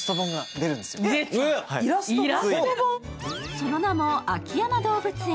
その名も、「秋山動物園」。